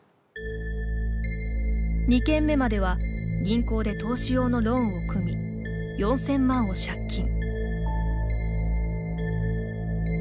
２軒目までは、銀行で投資用のローンを組み、４０００万を借金。